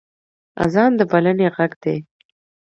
اذان د بلنې غږ دی